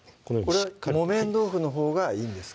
これは木綿豆腐のほうがいいんですか？